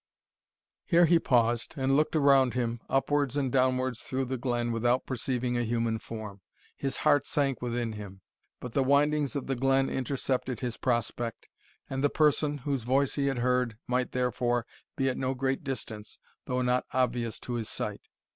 Here he paused, and looked around him upwards and downwards through the glen, without perceiving a human form. His heart sank within him. But the windings of the glen intercepted his prospect, and the person, whose voice he had heard, might therefore, be at no great distance, though not obvious to his sight.